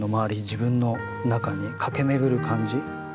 自分の中に駆け巡る感じ。